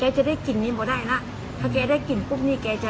แกจะได้กินนี่ก็ได้แล้วถ้าแกได้กินปุ๊บนี้แกจะ